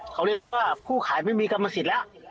เขาเรียกว่าผู้ขายไม่มีกรรมสิทธิ์แล้ว